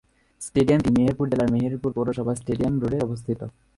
স্টেডিয়ামটি মেহেরপুর জেলার মেহেরপুর পৌরসভার স্টেডিয়াম রোডে অবস্থিত।